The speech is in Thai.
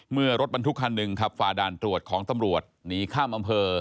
เมื่อรถบรรทุกคันหนึ่งขับฝ่าด่านตรวจของตำรวจหนีข้ามอำเภอ